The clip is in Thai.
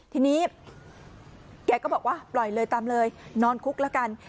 ทีนี้แกก็บอกว่าปล่อยเลยตามเลยนอนคุกละกัน